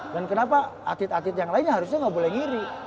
dan kenapa atit atit yang lainnya harusnya nggak boleh ngiri